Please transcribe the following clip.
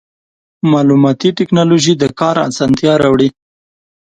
مالوماتي ټکنالوژي د کار اسانتیا راوړي.